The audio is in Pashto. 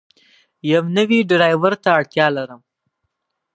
یو نوی ډرایور ته اړتیا لرم.